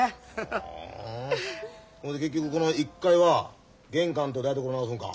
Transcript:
ほんで結局１階は玄関と台所直すんか？